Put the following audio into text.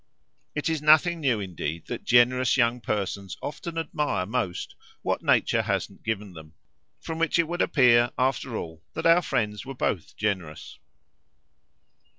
It is nothing new indeed that generous young persons often admire most what nature hasn't given them from which it would appear, after all, that our friends were both generous.